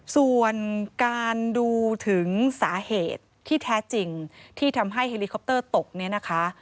ส่วนการดูถึงสาเหตุที่แท้จริงที่ทำให้เฮลิคอปเตอร์ตกเนี่ยนะคะ